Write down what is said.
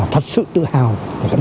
thật sự tự hào